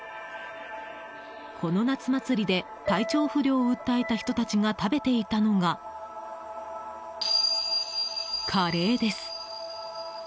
この夏祭りで体調不良を訴えた人たちが食べていたのが、カレーです。